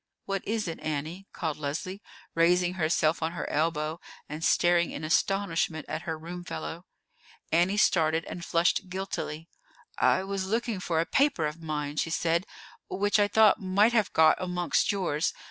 "What is it, Annie?" called Leslie, raising herself on her elbow, and staring in astonishment at her room fellow. Annie started and flushed guiltily. "I was looking for a paper of mine," she said, "which I thought might have got amongst yours.